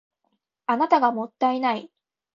あなたがもったいない